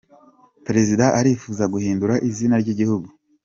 Perezida arifuza guhindura izina ry’igihugu